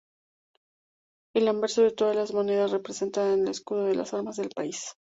El anverso de todas las monedas representa el escudo de armas del país.